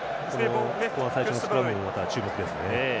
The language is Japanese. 最初のスクラムも注目ですね。